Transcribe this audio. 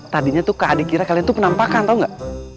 tadinya tuh ke adik kira kalian tuh penampakan tau gak